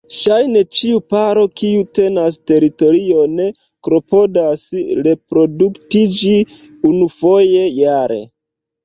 Ŝajne ĉiu paro kiu tenas teritorion klopodas reproduktiĝi unufoje jare.